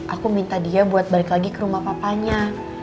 aku minta dia buat balik lagi ke rumah papanya